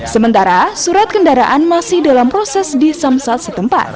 sementara surat kendaraan masih dalam proses disamsat setempat